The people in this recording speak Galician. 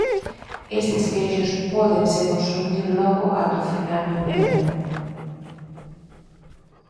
Estes queixos pódense consumir logo ata o final do inverno.